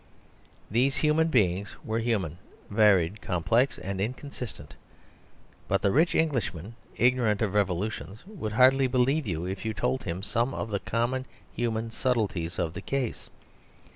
These human beings were human; varied, complex and inconsistent. But the rich Englishman, ignorant of revolutions, would hardly believe you if you told him some of the common human subtleties of the case.